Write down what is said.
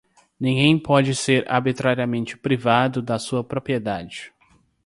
Ninguém pode ser arbitrariamente privado da sua propriedade.